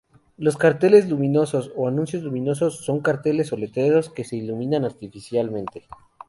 Los carteles luminosos o anuncios luminosos, son carteles o letreros que se iluminan artificialmente.